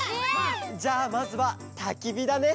じゃあまずはたきびだね。